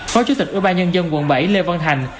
phó chủ tịch ủy ban nhân dân quận bảy lê văn hành